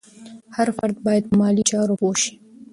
هر فرد باید په مالي چارو پوه شي.